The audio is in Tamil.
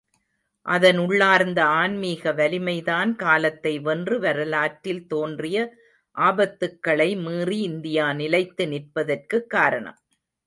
அதன் உள்ளார்ந்த ஆன்மீக வலிமைதான், காலத்தை வென்று, வரலாற்றில் தோன்றிய ஆபத்துக்களை மீறி இந்தியா நிலைத்து நிற்பதற்குக் காரணம்.